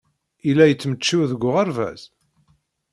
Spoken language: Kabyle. Yella yettmecčiw deg uɣerbaz?